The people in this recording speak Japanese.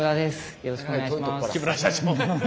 よろしくお願いします。